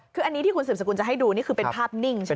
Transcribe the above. คืออันนี้ที่คุณสืบสกุลจะให้ดูนี่คือเป็นภาพนิ่งใช่ไหม